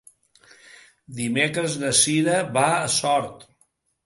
Dimecres na Sira va a Sort.